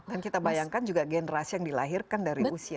dan kita bayangkan juga generasi yang dilahirkan dari usia